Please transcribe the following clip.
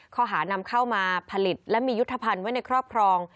ข้อหานำเข้ามาผลิตและมียุทธภัณฑ์ไว้ในครอบครอง